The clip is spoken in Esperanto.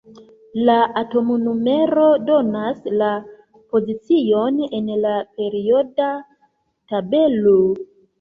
La atomnumero donas la pozicion en la perioda tabelo.